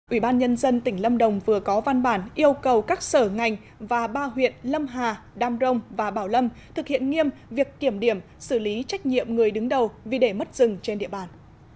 ủy ban nhân dân tỉnh lâm đồng vừa có văn bản yêu cầu các sở ngành và ba huyện lâm hà đam rông và bảo lâm thực hiện nghiêm việc kiểm điểm xử lý trách nhiệm người đứng đầu vì để mất rừng trên địa bàn